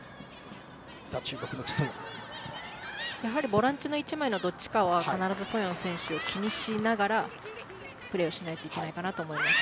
ボランチの１枚のどっちかは必ずソヨン選手を気にしながらプレーをしないといけないかと思います。